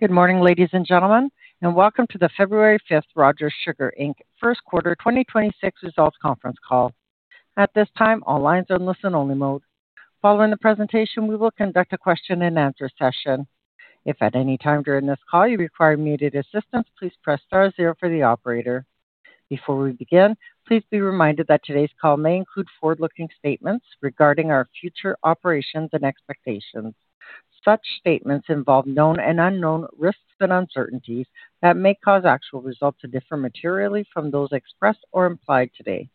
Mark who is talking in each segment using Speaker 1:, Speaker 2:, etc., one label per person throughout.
Speaker 1: Good morning, ladies and gentlemen, and welcome to the February 5th Rogers Sugar Inc. first quarter 2026 results conference call. At this time, all lines are in listen-only mode. Following the presentation, we will conduct a question-and-answer session. If at any time during this call you require immediate assistance, please press star zero for the operator. Before we begin, please be reminded that today's call may include forward-looking statements regarding our future operations and expectations. Such statements involve known and unknown risks and uncertainties that may cause actual results to differ materially from those expressed or implied today.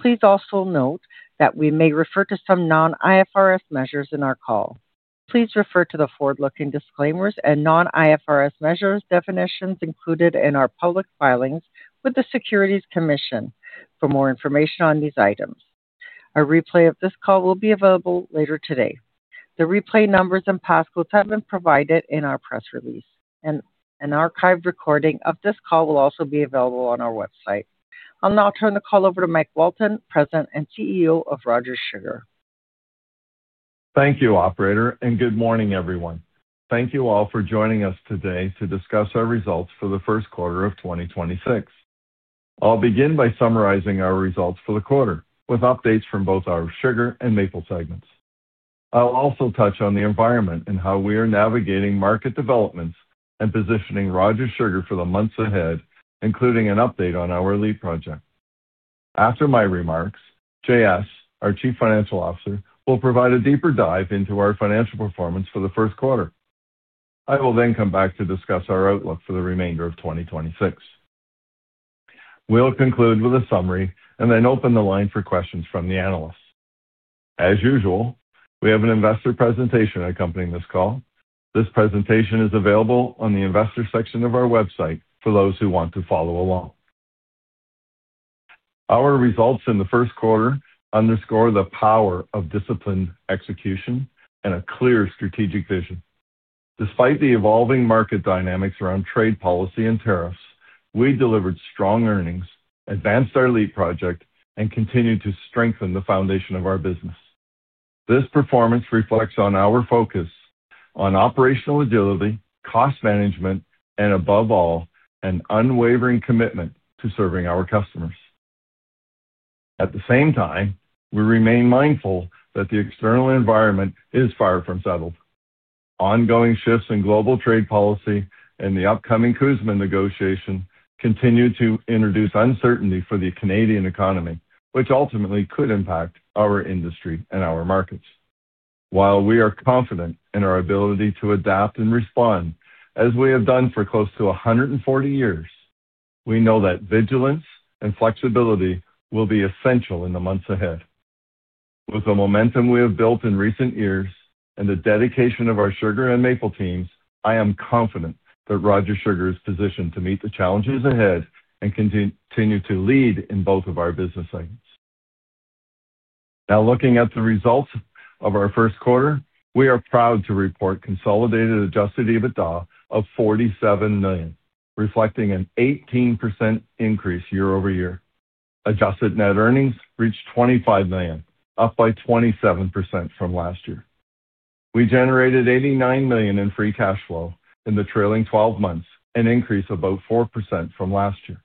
Speaker 1: Please also note that we may refer to some non-IFRS measures in our call. Please refer to the forward-looking disclaimers and non-IFRS measures definitions included in our public filings with the Securities Commission for more information on these items. A replay of this call will be available later today. The replay numbers and passcodes have been provided in our press release, and an archived recording of this call will also be available on our website. I'll now turn the call over to Mike Walton, President and CEO of Rogers Sugar.
Speaker 2: Thank you, operator, and good morning, everyone. Thank you all for joining us today to discuss our results for the first quarter of 2026. I'll begin by summarizing our results for the quarter with updates from both our sugar and maple segments. I'll also touch on the environment and how we are navigating market developments and positioning Rogers Sugar for the months ahead, including an update on our LEAP project. After my remarks, JS, our chief financial officer, will provide a deeper dive into our financial performance for the first quarter. I will then come back to discuss our outlook for the remainder of 2026. We'll conclude with a summary and then open the line for questions from the analysts. As usual, we have an investor presentation accompanying this call. This presentation is available on the investor section of our website for those who want to follow along. Our results in the first quarter underscore the power of disciplined execution and a clear strategic vision. Despite the evolving market dynamics around trade policy and tariffs, we delivered strong earnings, advanced our LEAP project, and continued to strengthen the foundation of our business. This performance reflects on our focus on operational agility, cost management, and above all, an unwavering commitment to serving our customers. At the same time, we remain mindful that the external environment is far from settled. Ongoing shifts in global trade policy and the upcoming CUSMA negotiation continue to introduce uncertainty for the Canadian economy, which ultimately could impact our industry and our markets. While we are confident in our ability to adapt and respond as we have done for close to 140 years, we know that vigilance and flexibility will be essential in the months ahead. With the momentum we have built in recent years and the dedication of our sugar and maple teams, I am confident that Rogers Sugar is positioned to meet the challenges ahead and continue to lead in both of our business segments. Now, looking at the results of our first quarter, we are proud to report consolidated Adjusted EBITDA of 47 million, reflecting an 18% increase year-over-year. Adjusted Net Earnings reached 25 million, up by 27% from last year. We generated 89 million in free cash flow in the trailing 12 months, an increase of about 4% from last year.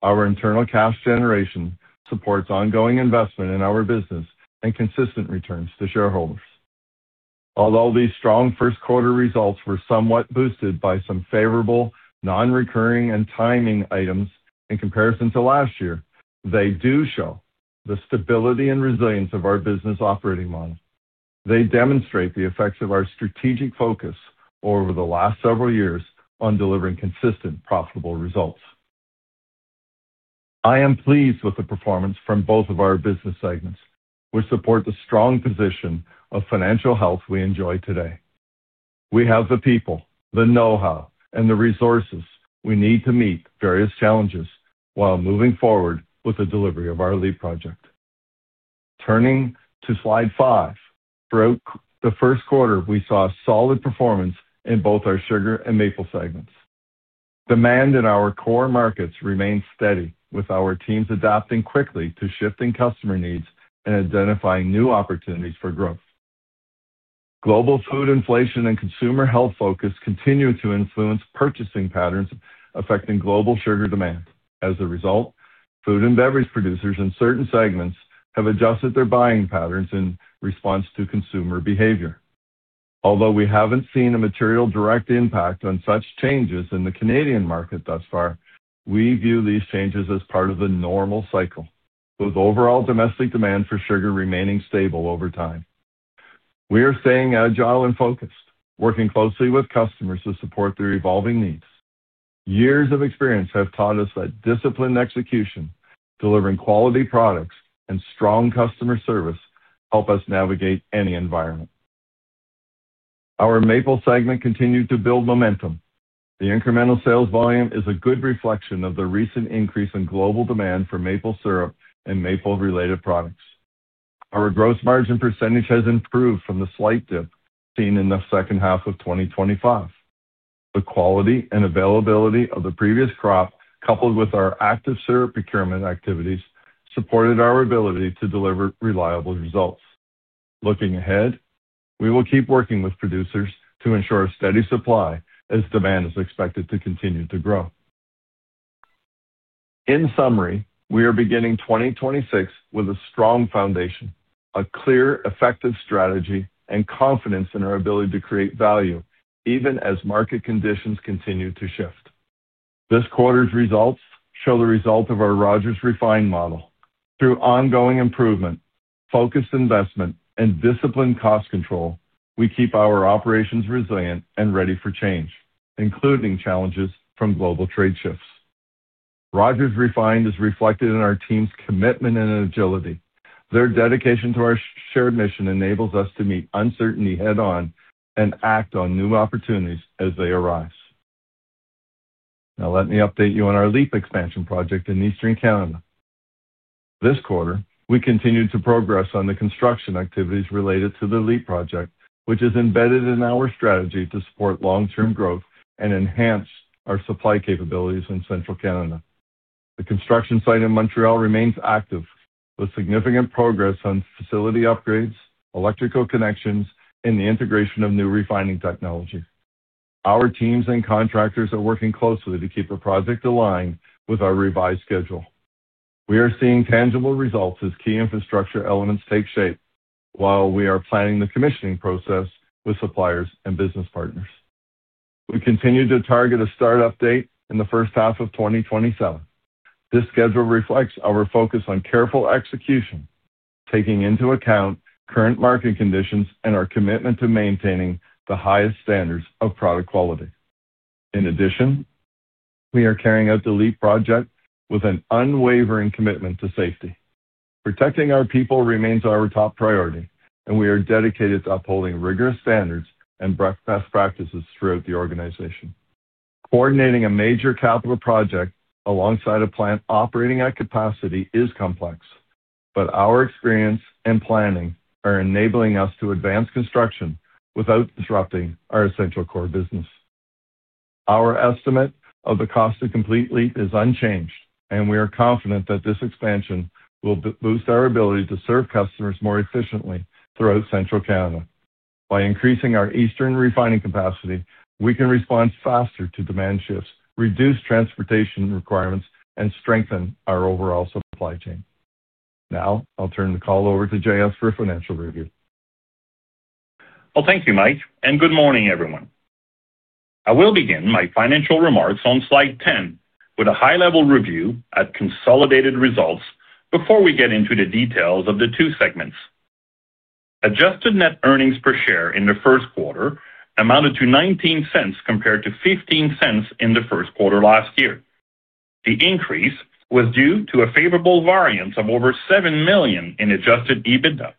Speaker 2: Our internal cash generation supports ongoing investment in our business and consistent returns to shareholders. Although these strong first quarter results were somewhat boosted by some favorable non-recurring and timing items in comparison to last year, they do show the stability and resilience of our business operating model. They demonstrate the effects of our strategic focus over the last several years on delivering consistent, profitable results. I am pleased with the performance from both of our business segments, which support the strong position of financial health we enjoy today. We have the people, the know-how, and the resources we need to meet various challenges while moving forward with the delivery of our LEAP project. Turning to slide five, throughout the first quarter, we saw solid performance in both our sugar and maple segments. Demand in our core markets remains steady, with our teams adapting quickly to shifting customer needs and identifying new opportunities for growth. Global food inflation and consumer health focus continue to influence purchasing patterns, affecting global sugar demand. As a result, food and beverage producers in certain segments have adjusted their buying patterns in response to consumer behavior. Although we haven't seen a material direct impact on such changes in the Canadian market thus far, we view these changes as part of the normal cycle, with overall domestic demand for sugar remaining stable over time. We are staying agile and focused, working closely with customers to support their evolving needs. Years of experience have taught us that disciplined execution, delivering quality products, and strong customer service help us navigate any environment. Our maple segment continued to build momentum. The incremental sales volume is a good reflection of the recent increase in global demand for maple syrup and maple-related products. Our gross margin percentage has improved from the slight dip seen in the second half of 2025. The quality and availability of the previous crop, coupled with our active syrup procurement activities, supported our ability to deliver reliable results. Looking ahead, we will keep working with producers to ensure a steady supply as demand is expected to continue to grow. In summary, we are beginning 2026 with a strong foundation, a clear, effective strategy, and confidence in our ability to create value even as market conditions continue to shift. This quarter's results show the result of our Rogers Refined model. Through ongoing improvement, focused investment, and disciplined cost control, we keep our operations resilient and ready for change, including challenges from global trade shifts. Rogers Refined is reflected in our team's commitment and agility. Their dedication to our shared mission enables us to meet uncertainty head-on and act on new opportunities as they arise. Now, let me update you on our LEAP expansion project in Eastern Canada. This quarter, we continued to progress on the construction activities related to the LEAP project, which is embedded in our strategy to support long-term growth and enhance our supply capabilities in Central Canada. The construction site in Montreal remains active, with significant progress on facility upgrades, electrical connections, and the integration of new refining technology. Our teams and contractors are working closely to keep the project aligned with our revised schedule. We are seeing tangible results as key infrastructure elements take shape while we are planning the commissioning process with suppliers and business partners. We continue to target a startup date in the first half of 2027. This schedule reflects our focus on careful execution, taking into account current market conditions, and our commitment to maintaining the highest standards of product quality. In addition, we are carrying out the LEAP project with an unwavering commitment to safety. Protecting our people remains our top priority, and we are dedicated to upholding rigorous standards and best practices throughout the organization. Coordinating a major capital project alongside a plant operating at capacity is complex, but our experience and planning are enabling us to advance construction without disrupting our essential core business. Our estimate of the cost to complete LEAP is unchanged, and we are confident that this expansion will boost our ability to serve customers more efficiently throughout central Canada. By increasing our eastern refining capacity, we can respond faster to demand shifts, reduce transportation requirements, and strengthen our overall supply chain. Now, I'll turn the call over to JS for a financial review.
Speaker 3: Well, thank you, Mike, and good morning, everyone. I will begin my financial remarks on slide 10 with a high-level review at consolidated results before we get into the details of the two segments. Adjusted Net Earnings per share in the first quarter amounted to 0.19 compared to 0.15 in the first quarter last year. The increase was due to a favorable variance of over 7 million in Adjusted EBITDA.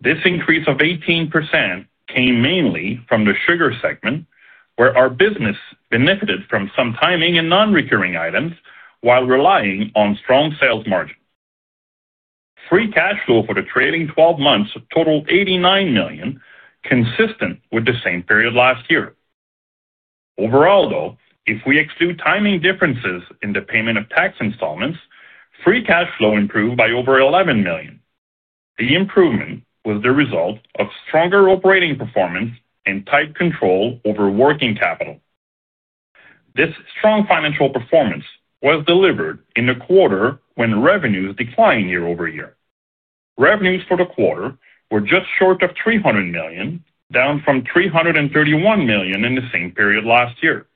Speaker 3: This increase of 18% came mainly from the sugar segment, where our business benefited from some timing and non-recurring items while relying on strong sales margins. Free cash flow for the trailing 12 months totaled 89 million, consistent with the same period last year. Overall, though, if we exclude timing differences in the payment of tax installments, free cash flow improved by over 11 million. The improvement was the result of stronger operating performance and tight control over working capital. This strong financial performance was delivered in a quarter when revenues declined year-over-year. Revenues for the quarter were just short of 300 million, down from 331 million in the same period last year.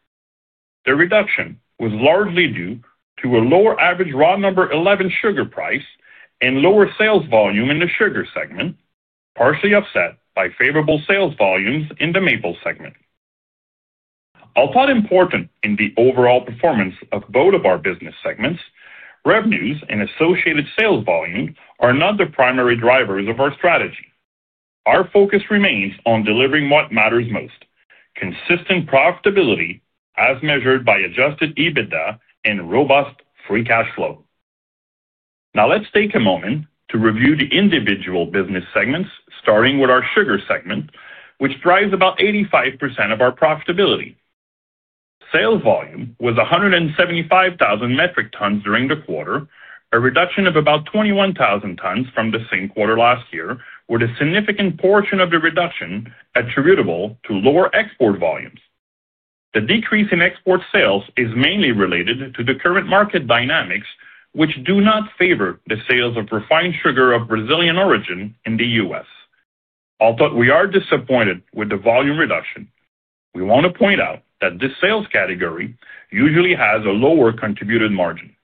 Speaker 3: The reduction was largely due to a lower average Raw No. 11 sugar price and lower sales volume in the sugar segment, partially offset by favorable sales volumes in the maple segment. Although important in the overall performance of both of our business segments, revenues and associated sales volume are not the primary drivers of our strategy. Our focus remains on delivering what matters most: consistent profitability as measured by Adjusted EBITDA and robust free cash flow. Now, let's take a moment to review the individual business segments, starting with our sugar segment, which drives about 85% of our profitability. Sales volume was 175,000 metric tons during the quarter, a reduction of about 21,000 tons from the same quarter last year, with a significant portion of the reduction attributable to lower export volumes. The decrease in export sales is mainly related to the current market dynamics, which do not favor the sales of refined sugar of Brazilian origin in the U.S. Although we are disappointed with the volume reduction, we want to point out that this sales category usually has a lower contribution margin.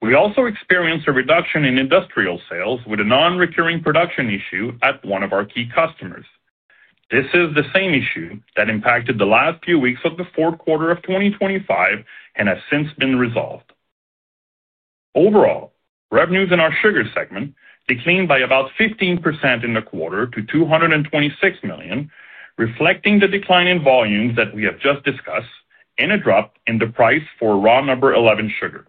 Speaker 3: We also experienced a reduction in industrial sales with a non-recurring production issue at one of our key customers. This is the same issue that impacted the last few weeks of the fourth quarter of 2025 and has since been resolved. Overall, revenues in our sugar segment declined by about 15% in the quarter to 226 million, reflecting the decline in volumes that we have just discussed and a drop in the price for Raw No. 11 sugar.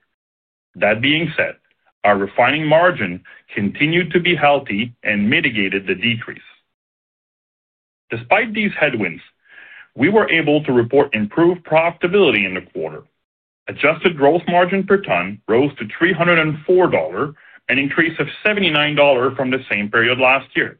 Speaker 3: That being said, our refining margin continued to be healthy and mitigated the decrease. Despite these headwinds, we were able to report improved profitability in the quarter. Adjusted Gross Margin per ton rose to 304 dollar, an increase of 79 dollar from the same period last year.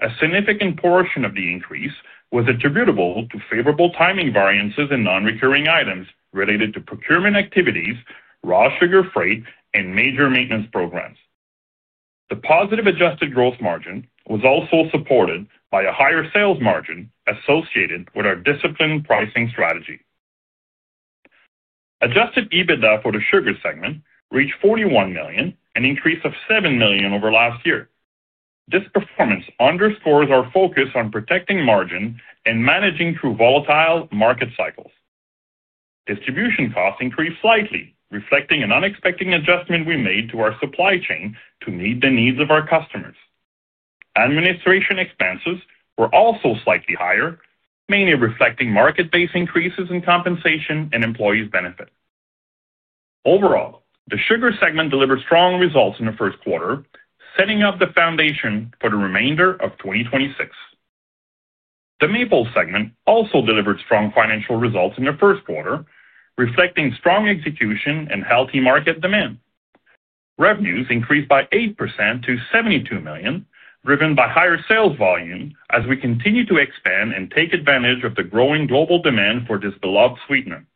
Speaker 3: A significant portion of the increase was attributable to favorable timing variances in non-recurring items related to procurement activities, raw sugar freight, and major maintenance programs. The positive Adjusted Gross Margin was also supported by a higher sales margin associated with our disciplined pricing strategy. Adjusted EBITDA for the sugar segment reached 41 million, an increase of 7 million over last year. This performance underscores our focus on protecting margin and managing through volatile market cycles. Distribution costs increased slightly, reflecting an unexpected adjustment we made to our supply chain to meet the needs of our customers. Administration expenses were also slightly higher, mainly reflecting market-based increases in compensation and employees' benefit. Overall, the sugar segment delivered strong results in the first quarter, setting up the foundation for the remainder of 2026. The maple segment also delivered strong financial results in the first quarter, reflecting strong execution and healthy market demand. Revenues increased by 8% to 72 million, driven by higher sales volume as we continue to expand and take advantage of the growing global demand for this beloved sweetener.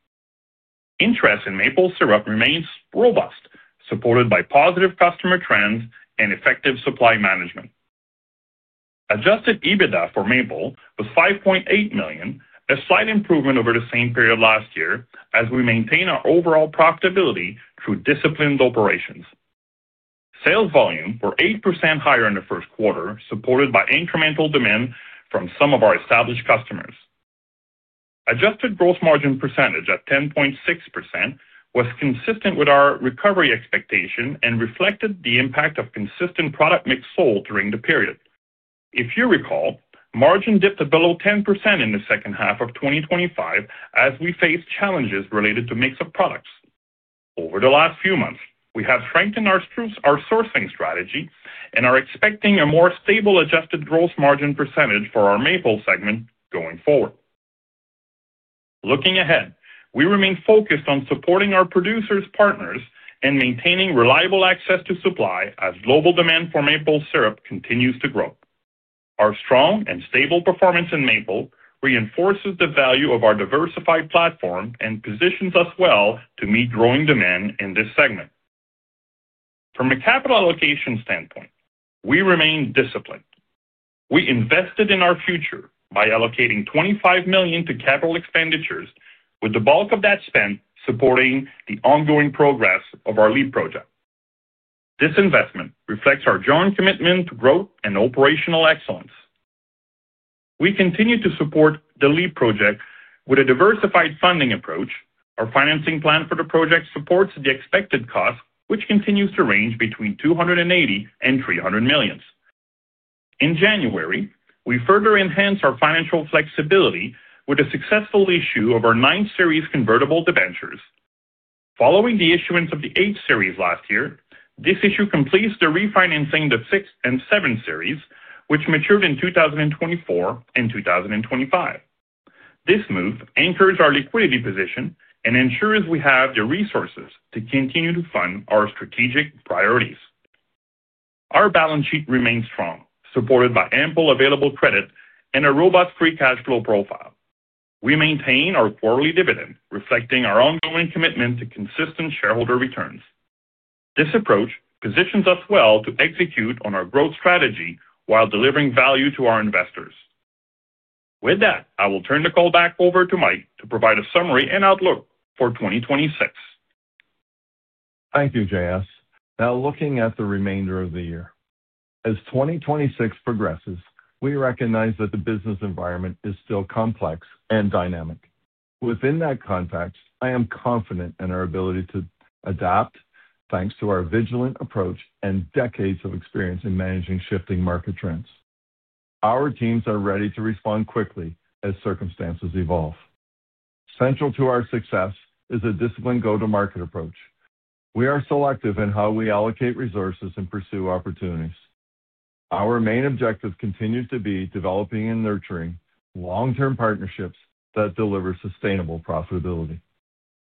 Speaker 3: Interest in maple syrup remains robust, supported by positive customer trends and effective supply management. Adjusted EBITDA for maple was 5.8 million, a slight improvement over the same period last year as we maintain our overall profitability through disciplined operations. Sales volume were 8% higher in the first quarter, supported by incremental demand from some of our established customers. Adjusted Gross Margin percentage at 10.6% was consistent with our recovery expectation and reflected the impact of consistent product mix sold during the period. If you recall, margin dipped below 10% in the second half of 2025 as we faced challenges related to mix of products. Over the last few months, we have strengthened our sourcing strategy and are expecting a more stable Adjusted Gross Margin percentage for our maple segment going forward. Looking ahead, we remain focused on supporting our producers, partners, and maintaining reliable access to supply as global demand for maple syrup continues to grow. Our strong and stable performance in maple reinforces the value of our diversified platform and positions us well to meet growing demand in this segment. From a capital allocation standpoint, we remain disciplined. We invested in our future by allocating 25 million to capital expenditures, with the bulk of that spent supporting the ongoing progress of our LEAP project. This investment reflects our joint commitment to growth and operational excellence. We continue to support the LEAP project with a diversified funding approach. Our financing plan for the project supports the expected cost, which continues to range between 280 million and 300 million. In January, we further enhanced our financial flexibility with the successful issue of our Series 9 convertible debentures. Following the issuance of the Series 8 last year, this issue completes the refinancing of the Series 6 and Series 7, which matured in 2024 and 2025. This move anchors our liquidity position and ensures we have the resources to continue to fund our strategic priorities. Our balance sheet remains strong, supported by ample available credit and a robust free cash flow profile. We maintain our quarterly dividend, reflecting our ongoing commitment to consistent shareholder returns. This approach positions us well to execute on our growth strategy while delivering value to our investors. With that, I will turn the call back over to Mike to provide a summary and outlook for 2026.
Speaker 2: Thank you, JS. Now, looking at the remainder of the year, as 2026 progresses, we recognize that the business environment is still complex and dynamic. Within that context, I am confident in our ability to adapt thanks to our vigilant approach and decades of experience in managing shifting market trends. Our teams are ready to respond quickly as circumstances evolve. Central to our success is a disciplined go-to-market approach. We are selective in how we allocate resources and pursue opportunities. Our main objective continues to be developing and nurturing long-term partnerships that deliver sustainable profitability.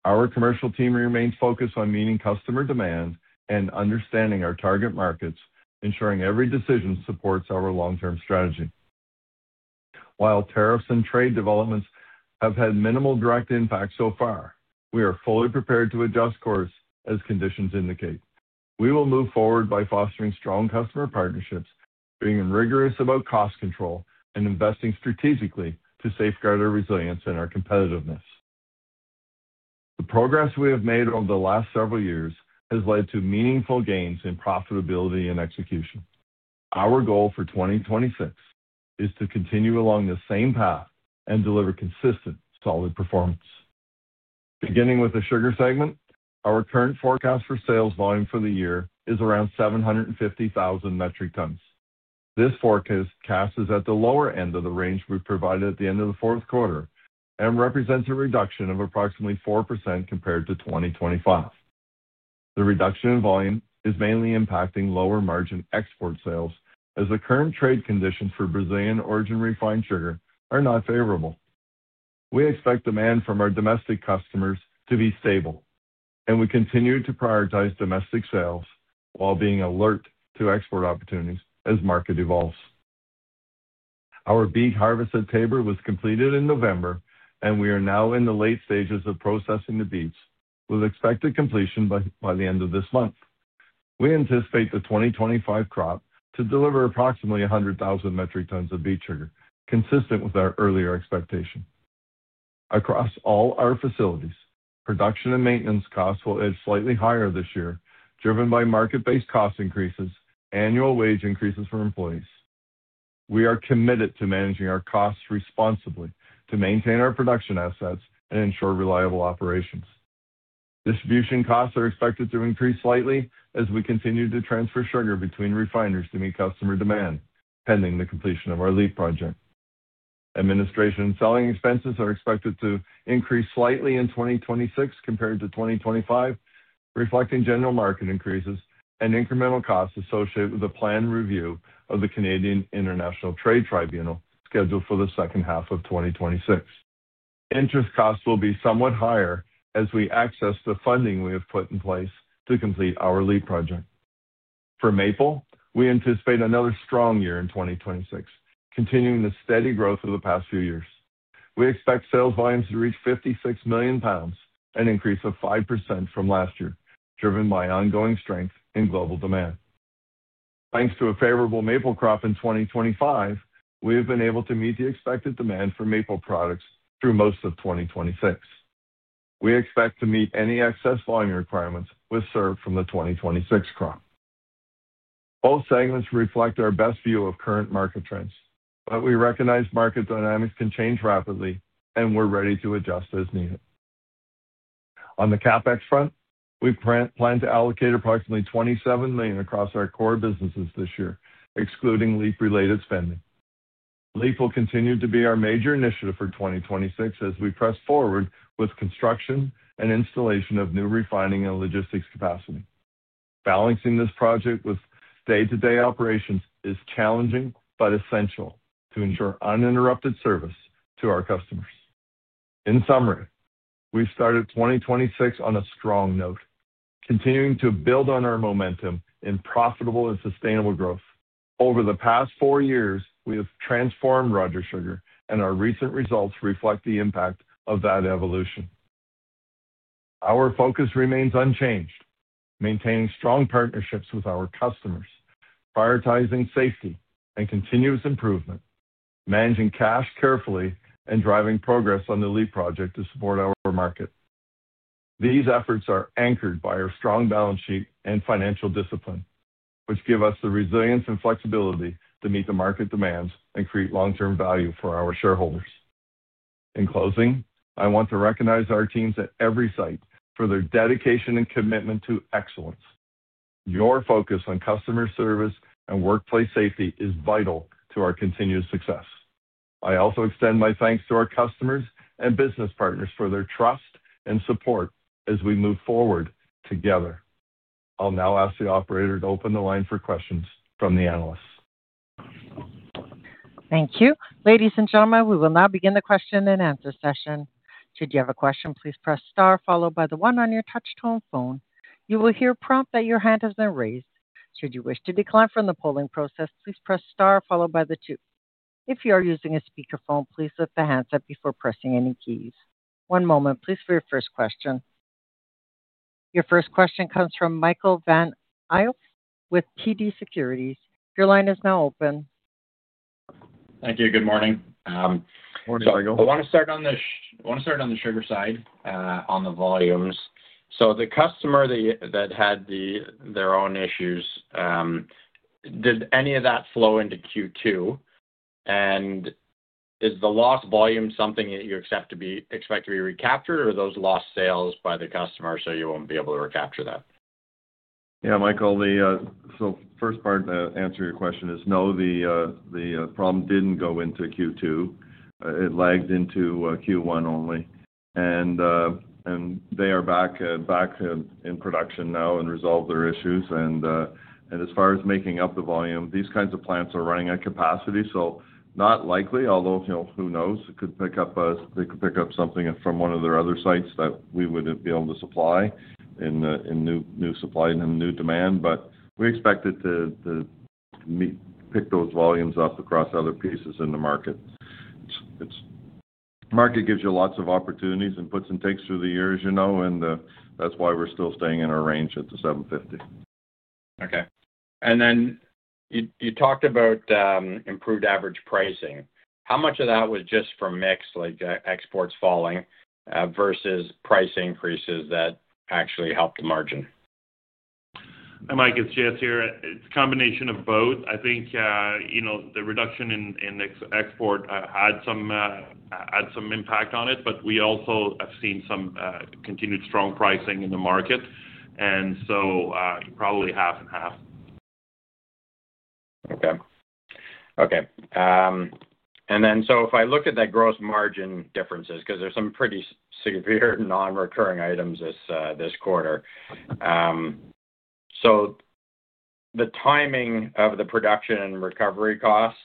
Speaker 2: Our commercial team remains focused on meeting customer demand and understanding our target markets, ensuring every decision supports our long-term strategy. While tariffs and trade developments have had minimal direct impact so far, we are fully prepared to adjust course as conditions indicate. We will move forward by fostering strong customer partnerships, being rigorous about cost control, and investing strategically to safeguard our resilience and our competitiveness. The progress we have made over the last several years has led to meaningful gains in profitability and execution. Our goal for 2026 is to continue along the same path and deliver consistent, solid performance. Beginning with the sugar segment, our current forecast for sales volume for the year is around 750,000 metric tons. This forecast is at the lower end of the range we provided at the end of the fourth quarter and represents a reduction of approximately 4% compared to 2025. The reduction in volume is mainly impacting lower margin export sales as the current trade conditions for Brazilian origin refined sugar are not favorable. We expect demand from our domestic customers to be stable, and we continue to prioritize domestic sales while being alert to export opportunities as market evolves. Our beet harvest at Taber was completed in November, and we are now in the late stages of processing the beets, with expected completion by the end of this month. We anticipate the 2025 crop to deliver approximately 100,000 metric tons of beet sugar, consistent with our earlier expectation. Across all our facilities, production and maintenance costs will edge slightly higher this year, driven by market-based cost increases and annual wage increases for employees. We are committed to managing our costs responsibly to maintain our production assets and ensure reliable operations. Distribution costs are expected to increase slightly as we continue to transfer sugar between refiners to meet customer demand, pending the completion of our LEAP project. Administration and selling expenses are expected to increase slightly in 2026 compared to 2025, reflecting general market increases and incremental costs associated with a planned review of the Canadian International Trade Tribunal scheduled for the second half of 2026. Interest costs will be somewhat higher as we access the funding we have put in place to complete our LEAP project. For maple, we anticipate another strong year in 2026, continuing the steady growth of the past few years. We expect sales volumes to reach 56 million pounds, an increase of 5% from last year, driven by ongoing strength in global demand. Thanks to a favorable maple crop in 2025, we have been able to meet the expected demand for maple products through most of 2026. We expect to meet any excess volume requirements with syrup from the 2026 crop. Both segments reflect our best view of current market trends, but we recognize market dynamics can change rapidly, and we're ready to adjust as needed. On the CapEx front, we plan to allocate approximately 27 million across our core businesses this year, excluding LEAP-related spending. LEAP will continue to be our major initiative for 2026 as we press forward with construction and installation of new refining and logistics capacity. Balancing this project with day-to-day operations is challenging but essential to ensure uninterrupted service to our customers. In summary, we started 2026 on a strong note, continuing to build on our momentum in profitable and sustainable growth. Over the past four years, we have transformed Rogers Sugar, and our recent results reflect the impact of that evolution. Our focus remains unchanged: maintaining strong partnerships with our customers, prioritizing safety and continuous improvement, managing cash carefully, and driving progress on the LEAP project to support our market. These efforts are anchored by our strong balance sheet and financial discipline, which give us the resilience and flexibility to meet the market demands and create long-term value for our shareholders. In closing, I want to recognize our teams at every site for their dedication and commitment to excellence. Your focus on customer service and workplace safety is vital to our continued success. I also extend my thanks to our customers and business partners for their trust and support as we move forward together. I'll now ask the operator to open the line for questions from the analysts.
Speaker 1: Thank you. Ladies and gentlemen, we will now begin the question and answer session. Should you have a question, please press star, followed by the one on your touchscreen phone. You will hear a prompt that your hand has been raised. Should you wish to decline from the polling process, please press star, followed by the two. If you are using a speakerphone, please lift the hands up before pressing any keys. One moment, please, for your first question. Your first question comes from Michael Van Aelst with TD Securities. Your line is now open.
Speaker 4: Thank you. Good morning.
Speaker 2: Good morning.
Speaker 4: I want to start on the sugar side, on the volumes. So the customer that had their own issues, did any of that flow into Q2? And is the lost volume something that you expect to be recaptured, or are those lost sales by the customer, so you won't be able to recapture that?
Speaker 2: Yeah, Michael, so first part, to answer your question, is no, the problem didn't go into Q2. It lagged into Q1 only. And they are back in production now and resolved their issues. And as far as making up the volume, these kinds of plants are running at capacity, so not likely, although who knows, it could pick up they could pick up something from one of their other sites that we wouldn't be able to supply in new supply and new demand. But we expect it to pick those volumes up across other pieces in the market. Market gives you lots of opportunities and puts and takes through the years, and that's why we're still staying in our range at the 750.
Speaker 4: Okay. And then you talked about improved average pricing. How much of that was just from mix, like exports falling versus price increases that actually helped the margin?
Speaker 3: Mike, it's JS here. It's a combination of both. I think the reduction in export had some impact on it, but we also have seen some continued strong pricing in the market, and so probably half and half.
Speaker 4: Okay. Okay. And then so if I look at that gross margin differences, because there's some pretty severe non-recurring items this quarter, so the timing of the production and recovery costs,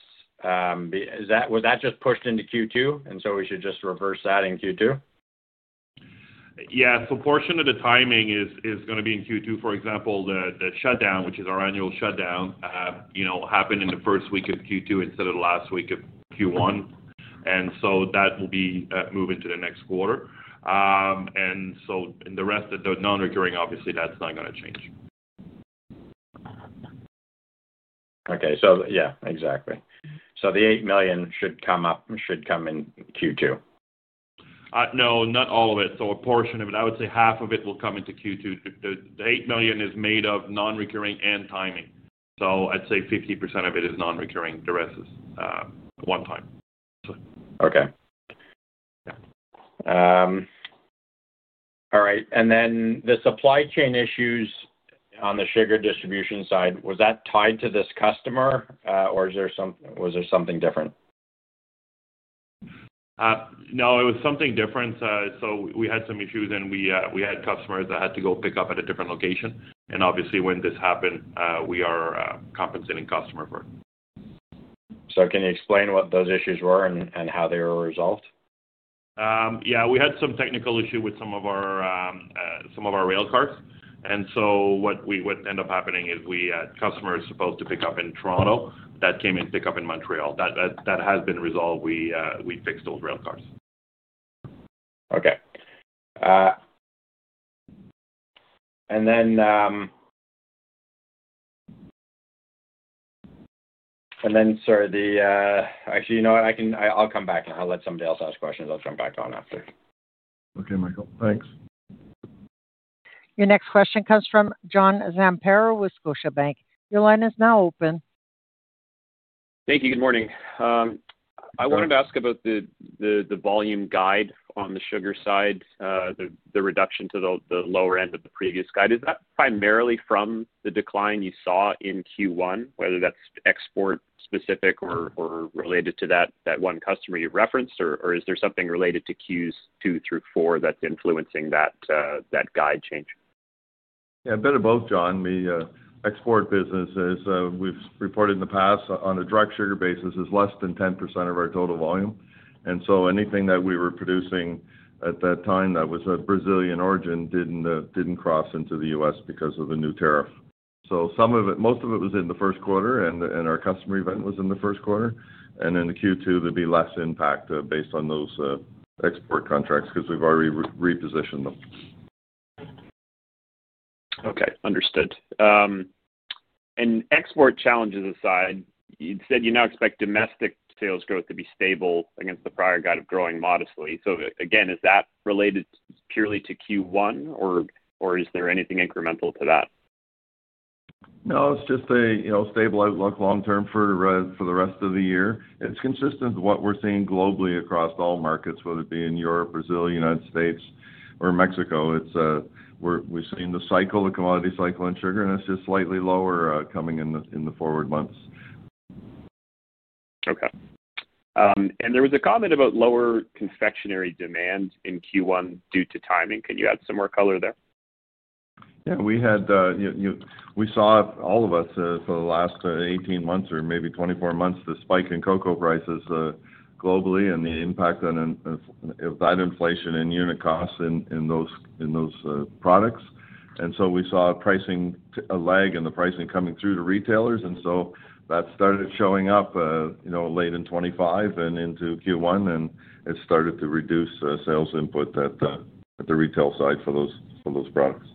Speaker 4: was that just pushed into Q2, and so we should just reverse that in Q2?
Speaker 3: Yeah. So a portion of the timing is going to be in Q2. For example, the shutdown, which is our annual shutdown, happened in the first week of Q2 instead of the last week of Q1. And so that will be moved into the next quarter. And so in the rest of the non-recurring, obviously, that's not going to change.
Speaker 4: Okay. So yeah, exactly. So the 8 million should come in Q2?
Speaker 3: No, not all of it. So a portion of it, I would say half of it, will come into Q2. The 8 million is made of non-recurring and timing. So I'd say 50% of it is non-recurring. The rest is one time.
Speaker 4: Okay. All right. And then the supply chain issues on the sugar distribution side, was that tied to this customer, or was there something different?
Speaker 3: No, it was something different. We had some issues, and we had customers that had to go pick up at a different location. Obviously, when this happened, we are compensating customer for it.
Speaker 4: Can you explain what those issues were and how they were resolved?
Speaker 3: Yeah. We had some technical issue with some of our rail cars. And so what ended up happening is customers were supposed to pick up in Toronto. That came in pickup in Montreal. That has been resolved. We fixed those rail cars.
Speaker 4: Okay. And then, sir, actually, you know what? I'll come back, and I'll let somebody else ask questions. I'll jump back on after.
Speaker 2: Okay, Michael. Thanks.
Speaker 1: Your next question comes from John Zamparo with Scotiabank. Your line is now open.
Speaker 5: Thank you. Good morning. I wanted to ask about the volume guide on the sugar side, the reduction to the lower end of the previous guide. Is that primarily from the decline you saw in Q1, whether that's export-specific or related to that one customer you referenced, or is there something related to Q2 through 4 that's influencing that guide change?
Speaker 2: Yeah, a bit of both, John. The export business, as we've reported in the past, on a direct sugar basis is less than 10% of our total volume. And so anything that we were producing at that time that was of Brazilian origin didn't cross into the U.S. because of the new tariff. So most of it was in the first quarter, and our customer event was in the first quarter. And in the Q2, there'd be less impact based on those export contracts because we've already repositioned them.
Speaker 5: Okay. Understood. Export challenges aside, you said you now expect domestic sales growth to be stable against the prior guide of growing modestly. So again, is that related purely to Q1, or is there anything incremental to that?
Speaker 2: No, it's just a stable outlook long-term for the rest of the year. It's consistent with what we're seeing globally across all markets, whether it be in Europe, Brazil, United States, or Mexico. We've seen the cycle, the commodity cycle in sugar, and it's just slightly lower coming in the forward months.
Speaker 5: Okay. And there was a comment about lower confectionery demand in Q1 due to timing. Can you add some more color there?
Speaker 2: Yeah. We saw, all of us, for the last 18 months or maybe 24 months, the spike in cocoa prices globally and the impact of that inflation in unit costs in those products. And so we saw a lag in the pricing coming through to retailers. And so that started showing up late in 2025 and into Q1, and it started to reduce sales input at the retail side for those products.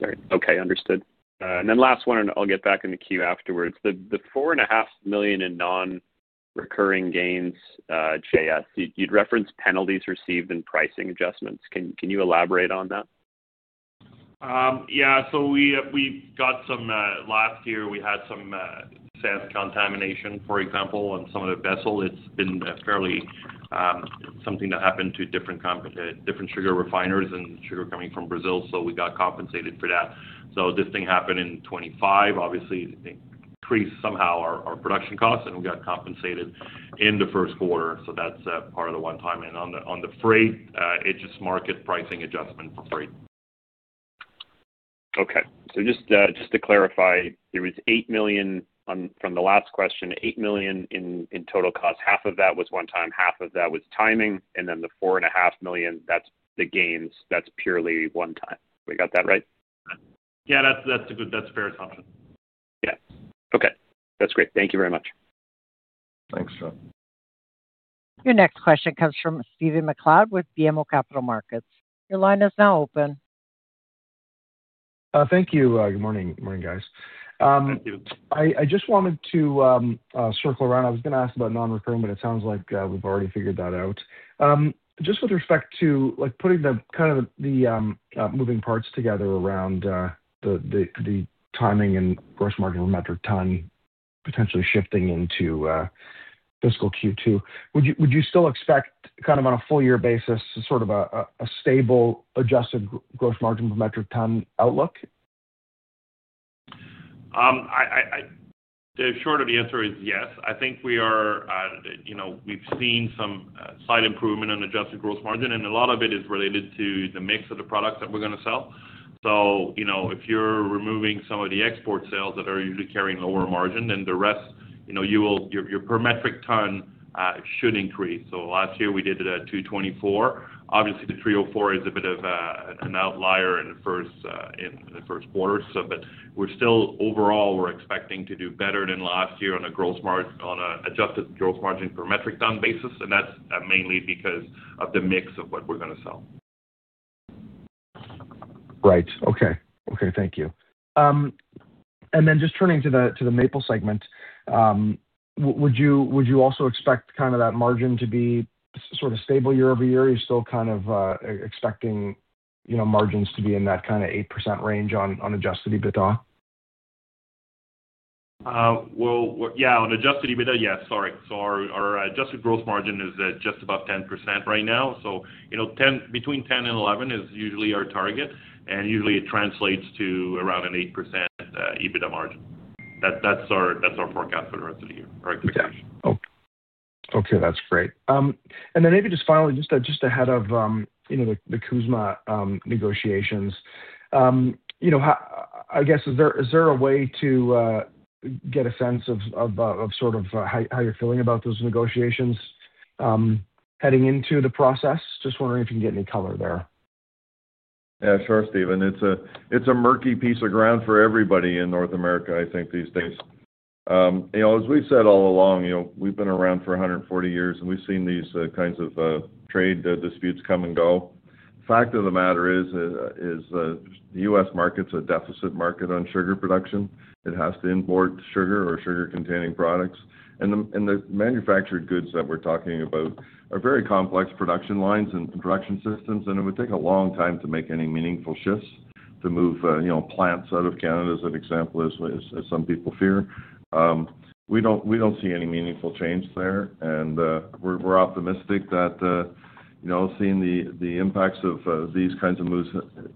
Speaker 5: All right. Okay. Understood. And then last one, and I'll get back in the queue afterwards. The 4.5 million in non-recurring gains, JS, you'd referenced penalties received in pricing adjustments. Can you elaborate on that?
Speaker 3: Yeah. So we've got some last year, we had some sand contamination, for example, on some of the vessel. It's been something that happened to different sugar refiners and sugar coming from Brazil, so we got compensated for that. So this thing happened in 2025. Obviously, it increased somehow our production costs, and we got compensated in the first quarter. So that's part of the one-time. And on the freight, it's just market pricing adjustment for freight.
Speaker 5: Okay. So just to clarify, there was 8 million from the last question, 8 million in total costs. Half of that was one-time, half of that was timing. And then the 4.5 million, that's the gains. That's purely one-time. We got that right?
Speaker 3: Yeah. That's a good, that's a fair assumption.
Speaker 5: Yeah. Okay. That's great. Thank you very much.
Speaker 2: Thanks, John.
Speaker 1: Your next question comes from Stephen MacLeod with BMO Capital Markets. Your line is now open.
Speaker 6: Thank you. Good morning, guys.
Speaker 3: Thank you.
Speaker 6: I just wanted to circle around. I was going to ask about non-recurring, but it sounds like we've already figured that out. Just with respect to putting kind of the moving parts together around the timing and gross margin per metric ton potentially shifting into fiscal Q2, would you still expect, kind of on a full-year basis, sort of a stable Adjusted Gross Margin per metric ton outlook?
Speaker 3: The short of the answer is yes. I think we've seen some slight improvement in Adjusted Gross Margin, and a lot of it is related to the mix of the products that we're going to sell. So if you're removing some of the export sales that are usually carrying lower margin, then the rest, your per metric ton should increase. So last year, we did it at 224. Obviously, the 304 is a bit of an outlier in the first quarter, but overall, we're expecting to do better than last year on an Adjusted Gross Margin per metric ton basis. And that's mainly because of the mix of what we're going to sell.
Speaker 6: Right. Okay. Okay. Thank you. Then just turning to the maple segment, would you also expect kind of that margin to be sort of stable year-over-year? Are you still kind of expecting margins to be in that kind of 8% range on Adjusted EBITDA?
Speaker 3: Well, yeah, on Adjusted EBITDA, yes. Sorry. So our Adjusted Gross Margin is just above 10% right now. So between 10%-11% is usually our target, and usually, it translates to around an 8% EBITDA margin. That's our forecast for the rest of the year, our expectation.
Speaker 6: Okay. Okay. That's great. And then maybe just finally, just ahead of the CUSMA negotiations, I guess, is there a way to get a sense of sort of how you're feeling about those negotiations heading into the process? Just wondering if you can get any color there.
Speaker 2: Yeah, sure, Stephen. It's a murky piece of ground for everybody in North America, I think, these days. As we've said all along, we've been around for 140 years, and we've seen these kinds of trade disputes come and go. Fact of the matter is the U.S. market's a deficit market on sugar production. It has to import sugar or sugar-containing products. And the manufactured goods that we're talking about are very complex production lines and production systems, and it would take a long time to make any meaningful shifts to move plants out of Canada, as an example, as some people fear. We don't see any meaningful change there, and we're optimistic that seeing the impacts of these kinds of moves,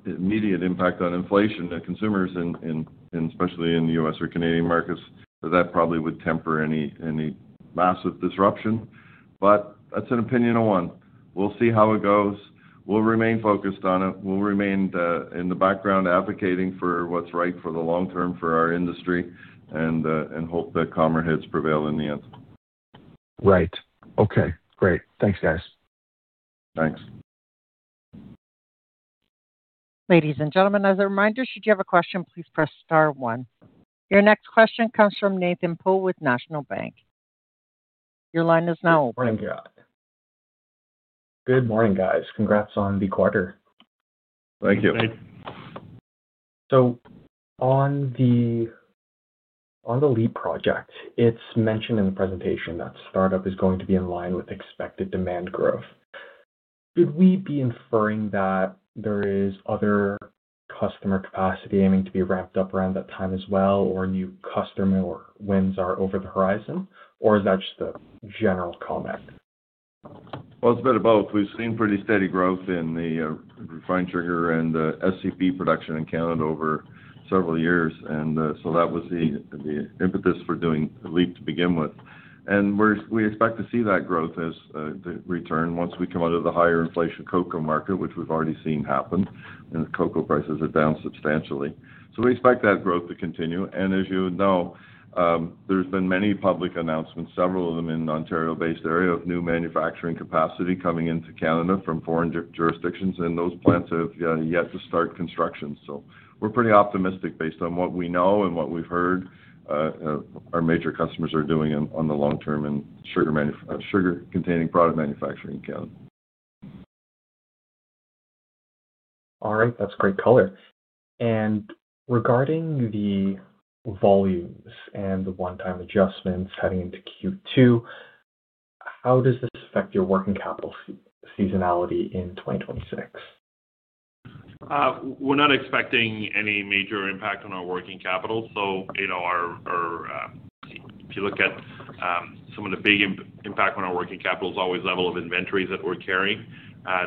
Speaker 2: immediate impact on inflation to consumers, especially in the U.S. or Canadian markets, that that probably would temper any massive disruption. But that's an opinion on one. We'll see how it goes. We'll remain focused on it. We'll remain in the background advocating for what's right for the long term for our industry and hope that calmer heads prevail in the end.
Speaker 6: Right. Okay. Great. Thanks, guys.
Speaker 2: Thanks.
Speaker 1: Ladies and gentlemen, as a reminder, should you have a question, please press star one. Your next question comes from Nathan Poole with National Bank. Your line is now open.
Speaker 7: Good morning, guys. Congrats on the quarter.
Speaker 2: Thank you.
Speaker 3: Thanks.
Speaker 7: On the LEAP project, it's mentioned in the presentation that startup is going to be in line with expected demand growth. Could we be inferring that there is other customer capacity aiming to be ramped up around that time as well, or new customer wins are over the horizon, or is that just a general comment?
Speaker 2: Well, it's a bit of both. We've seen pretty steady growth in the refined sugar and SCP production in Canada over several years, and so that was the impetus for doing LEAP to begin with. And we expect to see that growth as the return once we come out of the higher inflation cocoa market, which we've already seen happen, and the cocoa prices are down substantially. So we expect that growth to continue. And as you know, there's been many public announcements, several of them in the Ontario-based area, of new manufacturing capacity coming into Canada from foreign jurisdictions, and those plants have yet to start construction. So we're pretty optimistic based on what we know and what we've heard our major customers are doing on the long term in sugar-containing product manufacturing in Canada.
Speaker 7: All right. That's great color. Regarding the volumes and the one-time adjustments heading into Q2, how does this affect your working capital seasonality in 2026?
Speaker 3: We're not expecting any major impact on our working capital. So if you look at some of the big impact on our working capital is always the level of inventories that we're carrying,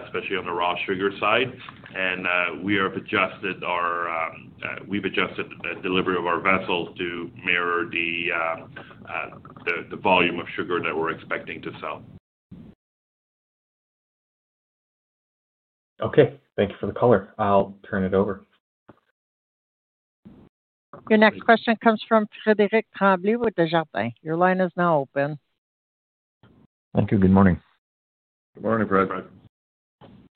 Speaker 3: especially on the raw sugar side. And we have adjusted the delivery of our vessels to mirror the volume of sugar that we're expecting to sell.
Speaker 7: Okay. Thank you for the color. I'll turn it over.
Speaker 1: Your next question comes from Frédéric Tremblay with Desjardins. Your line is now open.
Speaker 8: Thank you. Good morning.
Speaker 2: Good morning, Frédéric.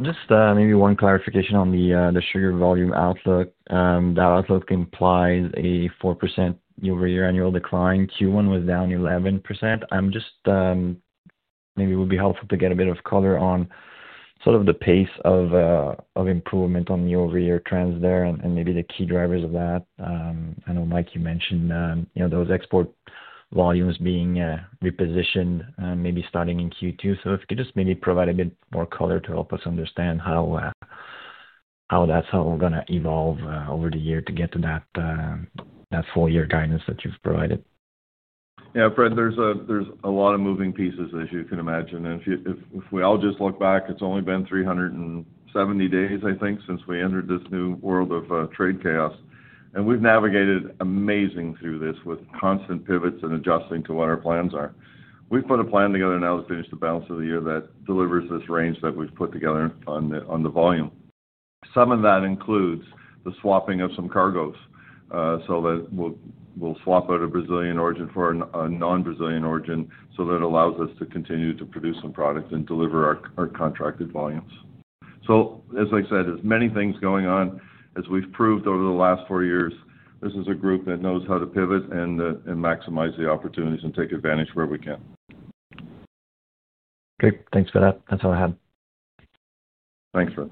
Speaker 8: Just maybe one clarification on the sugar volume outlook. That outlook implies a 4% year-over-year annual decline. Q1 was down 11%. Maybe it would be helpful to get a bit of color on sort of the pace of improvement on year-over-year trends there and maybe the key drivers of that. I know, Mike, you mentioned those export volumes being repositioned maybe starting in Q2. So if you could just maybe provide a bit more color to help us understand how that's how we're going to evolve over the year to get to that full-year guidance that you've provided.
Speaker 2: Yeah, Fred, there's a lot of moving pieces, as you can imagine. And if we all just look back, it's only been 370 days, I think, since we entered this new world of trade chaos. And we've navigated amazingly through this with constant pivots and adjusting to what our plans are. We've put a plan together now to finish the balance of the year that delivers this range that we've put together on the volume. Some of that includes the swapping of some cargoes. So we'll swap out a Brazilian origin for a non-Brazilian origin so that allows us to continue to produce some products and deliver our contracted volumes. So as I said, there's many things going on. As we've proved over the last four years, this is a group that knows how to pivot and maximize the opportunities and take advantage where we can.
Speaker 8: Great. Thanks for that. That's all I had.
Speaker 2: Thanks, Fred.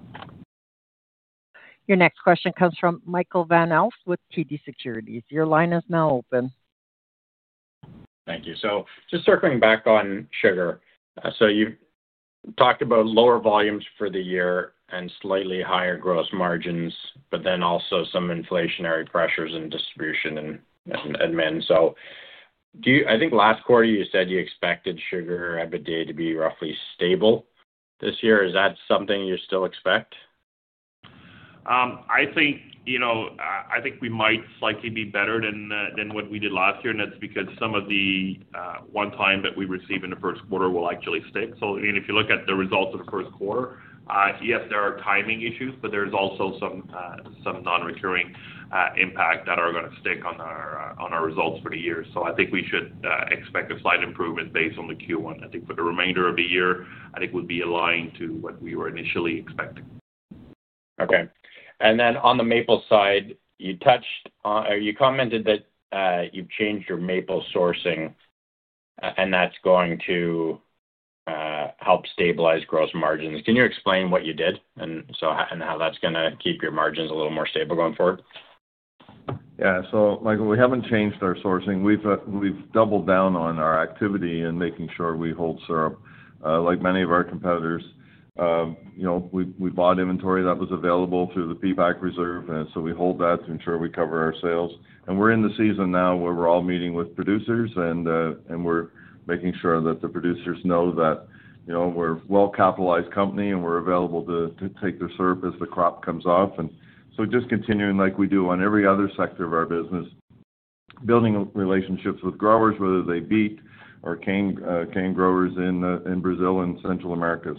Speaker 1: Your next question comes from Michael Van Aelst with TD Securities. Your line is now open.
Speaker 4: Thank you. So just circling back on sugar. So you've talked about lower volumes for the year and slightly higher gross margins, but then also some inflationary pressures in distribution and admin. So I think last quarter, you said you expected sugar EBITDA to be roughly stable this year. Is that something you still expect?
Speaker 3: I think we might slightly be better than what we did last year, and that's because some of the one-time that we receive in the first quarter will actually stick. So I mean, if you look at the results of the first quarter, yes, there are timing issues, but there's also some non-recurring impact that are going to stick on our results for the year. So I think we should expect a slight improvement based on the Q1. I think for the remainder of the year, I think we'd be aligned to what we were initially expecting.
Speaker 4: Okay. And then on the maple side, you touched or you commented that you've changed your maple sourcing, and that's going to help stabilize gross margins. Can you explain what you did and how that's going to keep your margins a little more stable going forward?
Speaker 2: Yeah. So we haven't changed our sourcing. We've doubled down on our activity in making sure we hold syrup like many of our competitors. We bought inventory that was available through the PPAQ reserve, and so we hold that to ensure we cover our sales. And we're in the season now where we're all meeting with producers, and we're making sure that the producers know that we're a well-capitalized company and we're available to take their syrup as the crop comes off. And so just continuing like we do on every other sector of our business, building relationships with growers, whether they beet or cane growers in Brazil and Central America.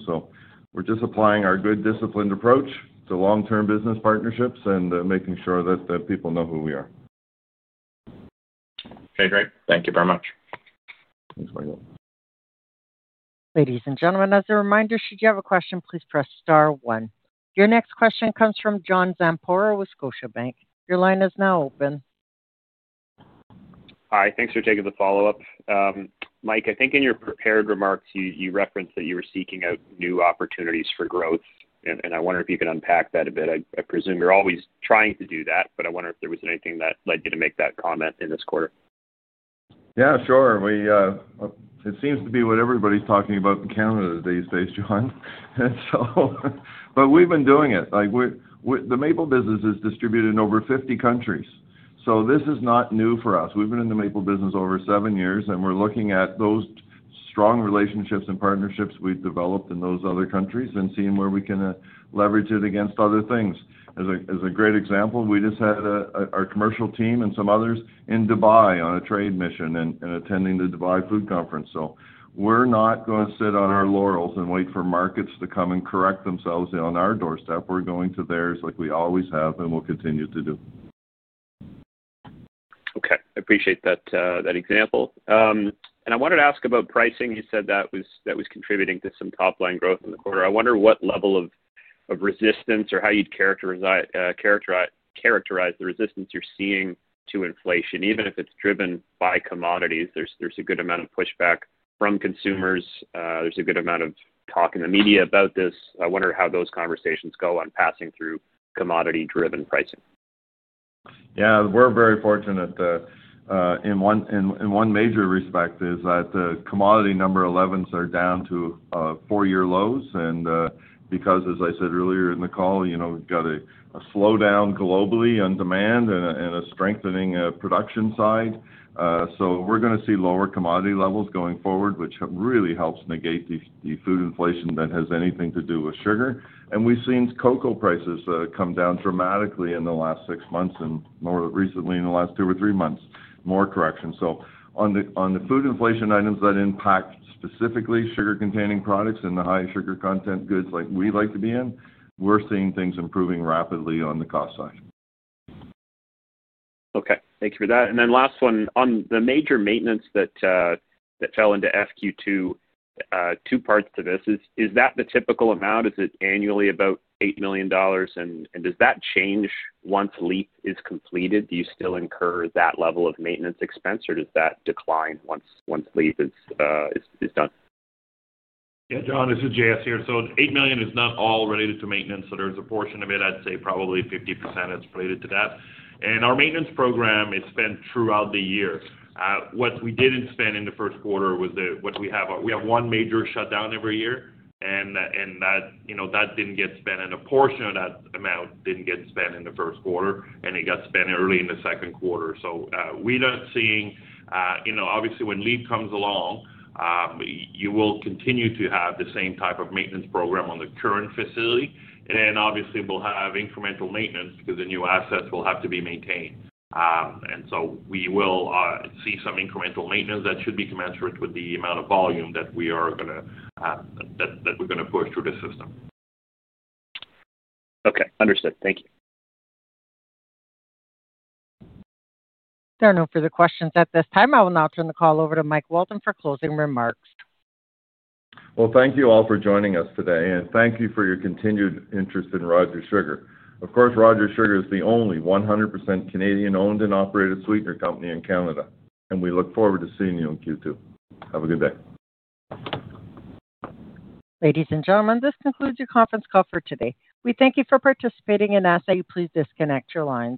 Speaker 2: So we're just applying our good disciplined approach to long-term business partnerships and making sure that people know who we are.
Speaker 4: Okay. Great. Thank you very much.
Speaker 2: Thanks, Michael.
Speaker 1: Ladies and gentlemen, as a reminder, should you have a question, please press star one. Your next question comes from John Zamparo with Scotiabank. Your line is now open.
Speaker 5: Hi. Thanks for taking the follow-up. Mike, I think in your prepared remarks, you referenced that you were seeking out new opportunities for growth, and I wonder if you can unpack that a bit? I presume you're always trying to do that, but I wonder if there was anything that led you to make that comment in this quarter?
Speaker 2: Yeah, sure. It seems to be what everybody's talking about in Canada these days, John. But we've been doing it. The maple business is distributed in over 50 countries. So this is not new for us. We've been in the maple business over seven years, and we're looking at those strong relationships and partnerships we've developed in those other countries and seeing where we can leverage it against other things. As a great example, we just had our commercial team and some others in Dubai on a trade mission and attending the Dubai Food Conference. So we're not going to sit on our laurels and wait for markets to come and correct themselves on our doorstep. We're going to theirs like we always have, and we'll continue to do.
Speaker 5: Okay. I appreciate that example. I wanted to ask about pricing. You said that was contributing to some top-line growth in the quarter. I wonder what level of resistance or how you'd characterize the resistance you're seeing to inflation. Even if it's driven by commodities, there's a good amount of pushback from consumers. There's a good amount of talk in the media about this. I wonder how those conversations go on passing through commodity-driven pricing.
Speaker 2: Yeah. We're very fortunate in one major respect is that the commodity No. 11s are down to four-year lows. And because, as I said earlier in the call, we've got a slowdown globally on demand and a strengthening production side. So we're going to see lower commodity levels going forward, which really helps negate the food inflation that has anything to do with sugar. And we've seen cocoa prices come down dramatically in the last 6 months and more recently in the last 2 or 3 months, more corrections. So on the food inflation items that impact specifically sugar-containing products and the high sugar content goods like we like to be in, we're seeing things improving rapidly on the cost side.
Speaker 5: Okay. Thank you for that. And then last one, on the major maintenance that fell into FQ2, two parts to this, is that the typical amount? Is it annually about 8 million dollars? And does that change once LEAP is completed? Do you still incur that level of maintenance expense, or does that decline once LEAP is done?
Speaker 3: Yeah, John, this is JS here. So 8 million is not all related to maintenance. So there's a portion of it, I'd say probably 50%, that's related to that. And our maintenance program is spent throughout the year. What we didn't spend in the first quarter was what we have one major shutdown every year, and that didn't get spent. And a portion of that amount didn't get spent in the first quarter, and it got spent early in the second quarter. So we're not seeing obviously, when LEAP comes along, you will continue to have the same type of maintenance program on the current facility. And obviously, we'll have incremental maintenance because the new assets will have to be maintained. We will see some incremental maintenance that should be commensurate with the amount of volume that we're going to push through the system.
Speaker 5: Okay. Understood. Thank you.
Speaker 1: There are no further questions at this time. I will now turn the call over to Mike Walton for closing remarks.
Speaker 2: Well, thank you all for joining us today, and thank you for your continued interest in Rogers Sugar. Of course, Rogers Sugar is the only 100% Canadian-owned and operated sweetener company in Canada, and we look forward to seeing you in Q2. Have a good day.
Speaker 1: Ladies and gentlemen, this concludes your conference call for today. We thank you for participating, and as I say, please disconnect your lines.